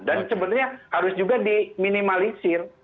dan sebetulnya harus juga diminimalisir